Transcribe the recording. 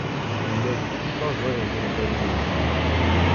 Telliḍ tessaẓayeḍ tibalizin-nnem.